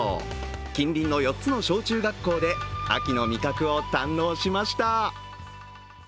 近隣の４つの小中学校で秋の味覚を堪能しました。